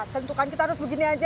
tentukan kita harus begini aja